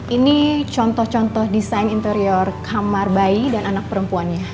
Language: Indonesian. ini contoh contoh desain interior kamar bayi dan anak perempuannya